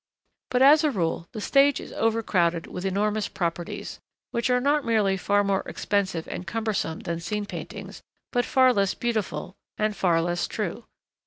But as a rule the stage is overcrowded with enormous properties, which are not merely far more expensive and cumbersome than scene paintings, but far less beautiful, and far less true.